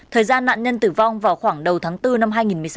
thời gian nạn nhân tử vong vào khoảng đầu tháng bốn năm hai nghìn một mươi sáu